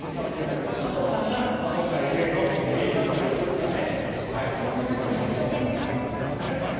一応、加藤さんが今回、ＦＡの原因だったということですからね。